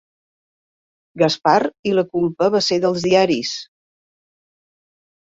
Gaspar i la culpa va ser dels diaris.